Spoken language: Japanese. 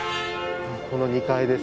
この２階です。